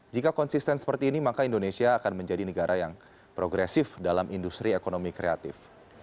jika konsisten seperti ini maka indonesia akan menjadi negara yang progresif dalam industri ekonomi kreatif